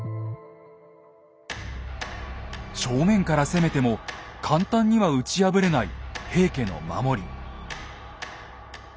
正面から攻めても簡単には打ち破れない平家の守り。